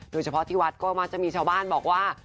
โดยเฉพาะที่วัดก็มักจะมีชาวบ้านบอกว่า